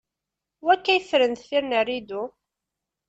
Wakka yeffren deffir n rridu?